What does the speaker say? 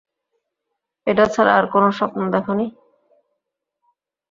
এটা ছাড়া আর কোনো স্বপ্ন দেখ নি?